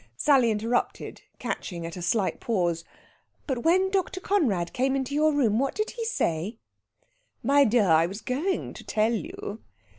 Sally interrupted, catching at a slight pause: "But when Dr. Conrad came into your room, what did he say?" "My dear, I was going to tell you."